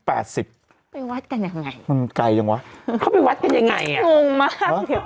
ไปวัดกันยังไงมันไกลจังวะเขาไปวัดกันยังไงอ่ะงงมากเดี๋ยว